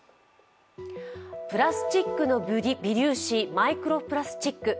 プラスチックの微粒子、マイクロプラスチック。